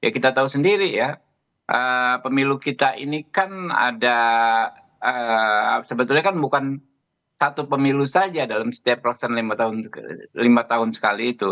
kita tahu sendiri ya pemilu kita ini kan ada sebetulnya kan bukan satu pemilu saja dalam setiap pelaksanaan lima tahun sekali itu